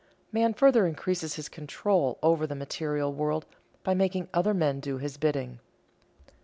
Man further increases his control over the material world by making other men do his bidding.